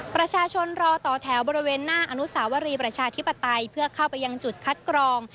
ประชาชนรอต่อแถวบริเวณหน้าอนุสาวรีประชาธิปไตยเพื่อเข้าไปยังจุดคัดกรอง